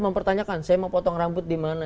mempertanyakan saya mau potong rambut di mana